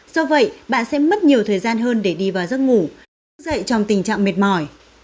do vậy bạn sẽ mất nhiều thời gian hơn để đi vào giấc ngủ cũng dậy trong tình trạng mệt mỏi